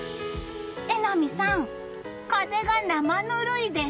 榎並さん、風が生ぬるいです。